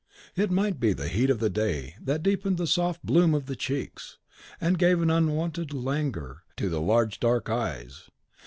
It might be the heat of the day that deepened the soft bloom of the cheeks, and gave an unwonted languor to the large, dark eyes.